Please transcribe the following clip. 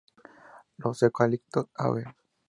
Los Eucaliptos, Av.